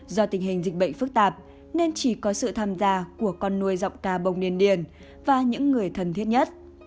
do tình hình dịch bệnh phức tạp nên chỉ có sự tham gia của con nuôi giọng ca bồng điền và những người thân thiết nhất